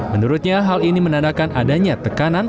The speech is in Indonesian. menurutnya hal ini menandakan adanya tekanan